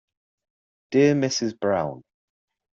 Dear Mrs Brown.